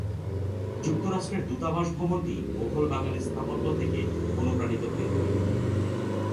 যুক্তরাষ্ট্রের দূতাবাস ভবনটি মুঘল বাঙ্গালী স্থাপত্য থেকে অনুপ্রাণিত হয়ে তৈরি।